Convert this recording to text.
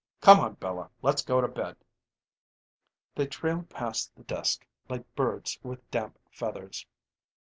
"Come on, Bella; let's go to bed." They trailed past the desk like birds with damp feathers.